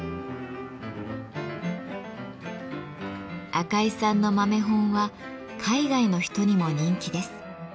赤井さんの豆本は海外の人にも人気です。